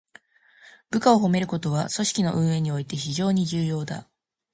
部下を褒めることは、組織の運営において非常に重要だ。